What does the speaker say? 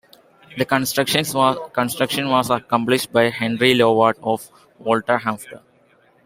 The construction was accomplished by Henry Lovatt of Wolverhampton.